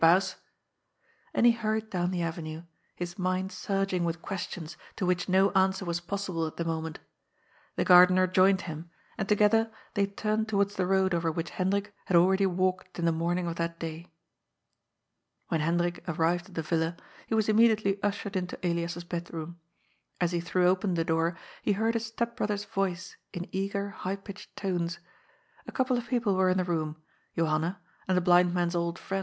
Baas." And he hurried down the avenue, his mind surging with questions to which no answer was possible at the moment The gardener joined him, and together they turned towards the road over which Hendrik had already walked in the morning of that day. When Hendrik arrived at the Villa, he was immediately ushered into Elias's bed room. As he threw open the door, he heard his step brother's voice in eager, high pitched tones. A couple of people were in the room, Johanna, and the blind man's old friend.